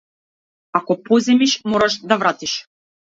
Ако позајмиш мораш да вратиш.